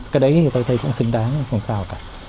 cái đấy thì tôi thấy cũng xứng đáng không sao cả